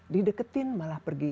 dideketin malah pergi